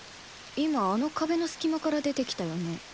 今あの壁の隙間から出てきたよね？